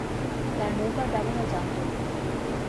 তারা নৌকার ব্যবহার জানত।